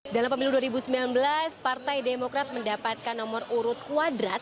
dalam pemilu dua ribu sembilan belas partai demokrat mendapatkan nomor urut kuadrat